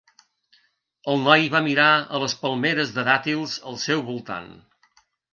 El noi va mirar a les palmeres de dàtils al seu voltant.